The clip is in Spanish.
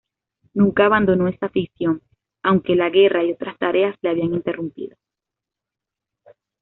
Nunca abandonó esa afición, aunque la guerra y otras tareas la habían interrumpido.